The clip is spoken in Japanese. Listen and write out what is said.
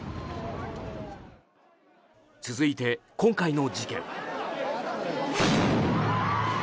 続いて今回の事件。